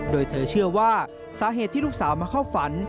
โดยเธอเชื่อว่าสาเหตุที่ลูกสาวมาเข้าฝัน